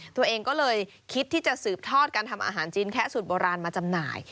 ตัวเองก็เลยคิดที่จะสืบทอดการทำอาหารจีนแคะสูตรโบราณมาจำหน่าย